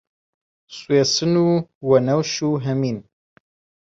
سوێسن و وەنەوش و هەمین